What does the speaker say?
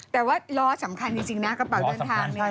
แต่ว่าล้อสำคัญจริงนะกระเป๋าเดินทางเนี่ย